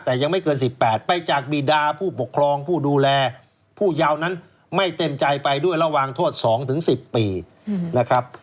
แต่ยังไม่เกิน๑๘ไปจากบีดาผู้ปกครองผู้ดูแลผู้ยาวนั้นไม่เต็มใจไปด้วยระหว่างโทษ๒๑๐ปีนะครับ